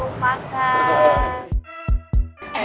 terus apa lagi